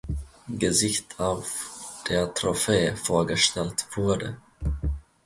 Gesicht auf der Trophäe vorgestellt wurde.